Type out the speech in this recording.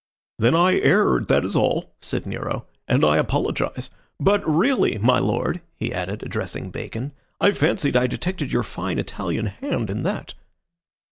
"Then I erred, that is all," said Nero. "And I apologize. But really, my Lord," he added, addressing Bacon, "I fancied I detected your fine Italian hand in that."